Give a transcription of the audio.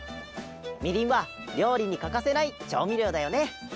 みりんはりょうりにかかせないちょうみりょうだよね。